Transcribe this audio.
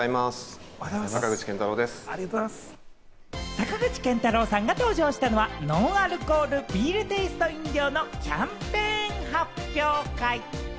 坂口健太郎さんが登場したのはノンアルコール・ビールテイスト飲料のキャンペーン発表会。